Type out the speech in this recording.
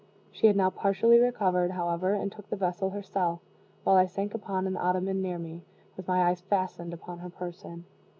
She had now partially recovered, however, and took the vessel herself, while I sank upon an ottoman near me, with my eyes fastened upon her person.